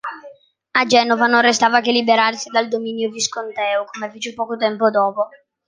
A Genova non restava che liberarsi dal dominio visconteo, come fece poco tempo dopo.